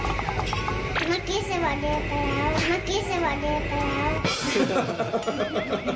เมื่อกี้ฉันบอกเดียวไปแล้ว